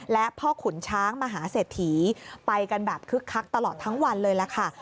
และพ่อขุนช้างมหาเศรษฐีไปกันแบบคึกคักตลอดทั้งวันเลยล่ะค่ะ